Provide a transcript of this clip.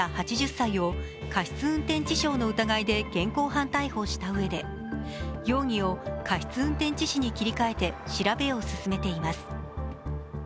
８０歳を過失運転致傷の疑いで現行犯逮捕したうえで容疑を過失運転致死に切りかえて調べを進めています。